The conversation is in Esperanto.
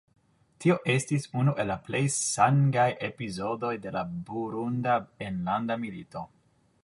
Tio estis unu el plej sangaj epizodoj de la Burunda enlanda milito.